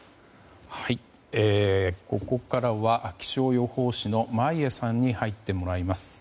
ここからは気象予報士の眞家さんに入ってもらいます。